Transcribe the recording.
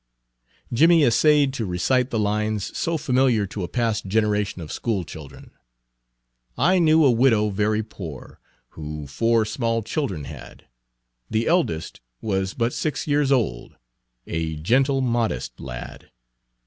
Jimmie essayed to recite the lines so familiar to a past generation of schoolchildren: "I knew a widow very poor, Who four small children had; The eldest was but six years old, A gentle, modest lad."